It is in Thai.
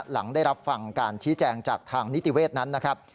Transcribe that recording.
หลังได้รับฟังการชี้แจงจากทางนิติเวศนั้นนะครับ